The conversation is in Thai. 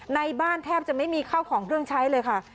ในบ้านแทบจะไม่มีข้าวของเครื่องใช้เลยค่ะ